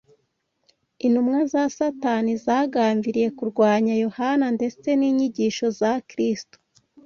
intumwa za Satani zagambiriye kurwanya Yohana ndetse n’inyigisho za Kristo